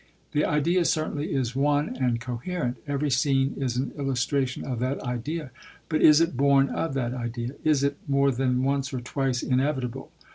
The idea, certainly, is one and coherent; every scene is an illustration of that idea; but is it born of that idea? Is it, more than once or twice, inevitable?